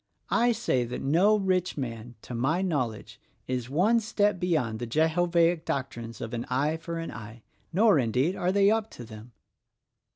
I say that no rich man, to my knowledge, is one step beyond the Jehovaic doctrines of an eye for an eye — nor, indeed, are they up to them."